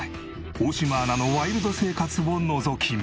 大島アナのワイルド生活をのぞき見。